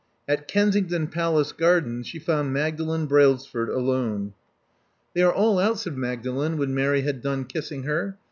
At Kensington Palace Gardens she found Mag dalen Brailsford alone. They are all out," said Magdalen when Mary had done kissing her.